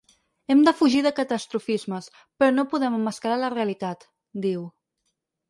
“Hem de fugir de catastrofismes, però no podem emmascarar la realitat”, diu.